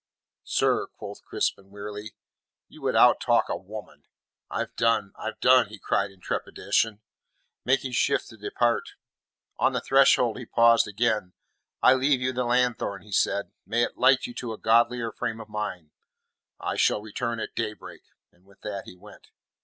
"Sir," quoth Crispin wearily, "you would outtalk a woman." "I've done, I've done," he cried in trepidation, making shift to depart. On the threshold he paused again. "I leave you the lanthorn," he said. "May it light you to a godlier frame of mind. I shall return at daybreak." And with that he went.